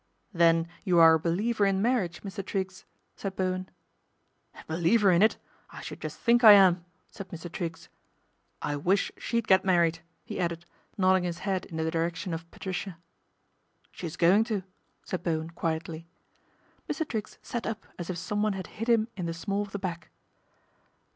" Then you are a believer in marriage, Mr. Triggs," said Bowen. " A believer in it ! I should just think I am/' said Mr. Triggs. " I wish she'd get married," he added, nodding his head in the direction of Patricia. " She's going to," said Bowen quietly. Mr. Triggs sat up as if someone had hit him in the small of the back.